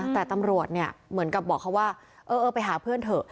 แต่ตำรวจเนี่ยเหมือนกับบอกเขาว่าเออไปหาเพื่อนเถอะ